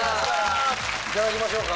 いただきましょうか。